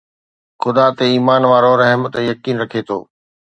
خدا تي ايمان وارو رحم تي يقين رکي ٿو